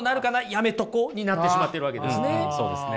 やめとこうになってしまっているわけですね。